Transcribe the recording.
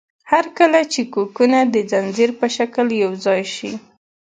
هر کله چې کوکونه د ځنځیر په شکل یوځای شي.